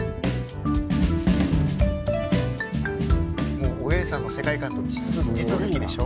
もうおげんさんの世界観と地続きでしょ？